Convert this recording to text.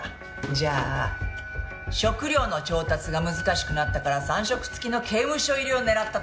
じゃあ食料の調達が難しくなったから３食付きの刑務所入りを狙ったとか？